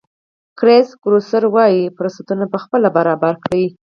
کرېس ګروسر وایي فرصتونه پخپله برابر کړئ.